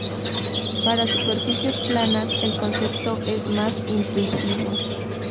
Para superficies planas, el concepto es más intuitivo.